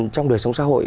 trong đời sống xã hội